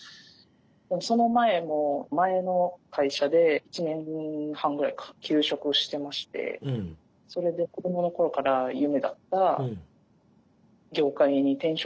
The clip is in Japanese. でその前も前の会社で１年半ぐらいか休職をしてましてそれで子どもの頃から夢だった業界に転職をしたんですよね。